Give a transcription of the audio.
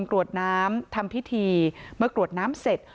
กรวดน้ำทำพิธีเมื่อกรวดน้ำเสร็จ